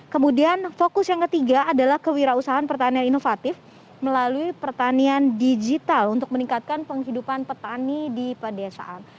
kemudian fokus yang ketiga adalah kewirausahaan pertanian inovatif melalui pertanian digital untuk meningkatkan penghidupan petani di pedesaan